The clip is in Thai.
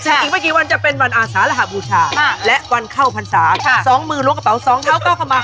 อีกไม่กี่วันจะเป็นวันอาสารหบูชาและวันเข้าพรรษา๒มือล้วงกระเป๋าสองเท้าเก้าเข้ามา